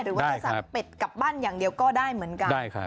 หรือว่าจะสั่งเป็ดกลับบ้านอย่างเดียวก็ได้เหมือนกัน